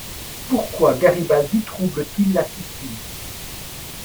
Pourquoi Garibaldi trouble-t-il la Sicile ?